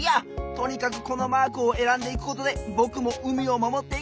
とにかくこのマークをえらんでいくことでぼくも海をまもっていくぞ！